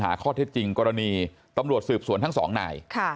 หาข้อเท็จจริงกรณีตำรวจสืบสวนทั้งสองนาย